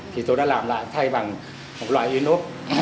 thì tôi đã làm lại thay bằng một loại virus